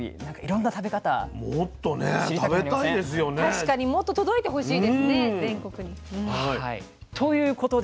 確かにもっと届いてほしいですね全国に。ということで。